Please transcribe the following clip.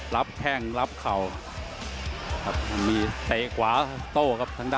สายตาดีเยอะกว่าน่ะ